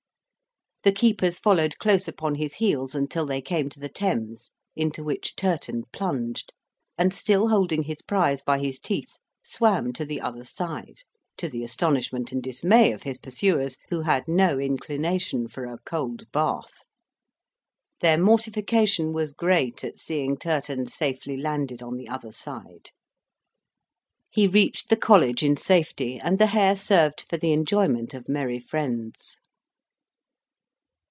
The keepers followed close upon his heels until they came to the Thames, into which Turton plunged, and, still holding his prize by his teeth, swam to the other side; to the astonishment and dismay of his pursuers, who had no inclination for a cold bath: their mortification was great at seeing Turton safely landed on the other side. He reached the college in safety; and the hare served for the enjoyment of merry friends.